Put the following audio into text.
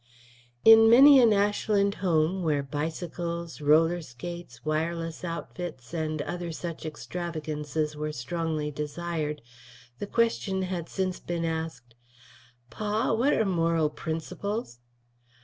In many an Ashland home where bicycles, roller skates, wireless outfits, and other such extravagances were strongly desired, the question had since been asked: "Pa, what are Moral Principles?"